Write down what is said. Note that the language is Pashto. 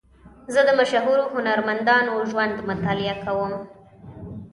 زه د مشهورو هنرمندانو ژوند مطالعه کوم.